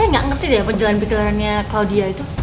lo nggak ngerti deh penjalan pikiran pikiran claudia itu